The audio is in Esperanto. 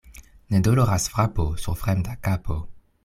Ne doloras frapo sur fremda kapo.